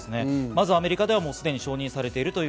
アメリカではすでに承認されています。